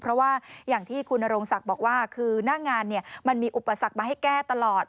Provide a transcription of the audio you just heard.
เพราะว่าอย่างที่คุณนโรงศักดิ์บอกว่าคือหน้างานมันมีอุปสรรคมาให้แก้ตลอด